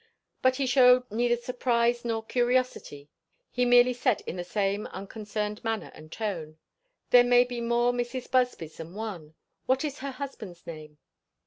But he shewed neither surprise nor curiosity; he merely said in the same unconcerned manner and tone, "There may be more Mrs. Busby's than one. What is her husband's name?"